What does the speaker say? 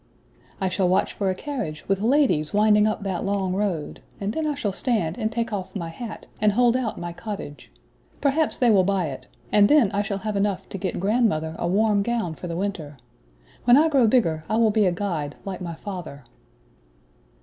"I shall watch for a carriage with ladies winding up that long road; and then I shall stand and take off my hat, and hold out my cottage. Perhaps they will buy it, and then I shall have enough to get grandmother a warm gown for the winter. When I grow bigger I will be a guide, like my father."